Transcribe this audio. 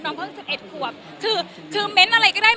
น้องเขาคือเอ็ดขวบ